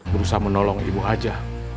berusaha menolong ibu aja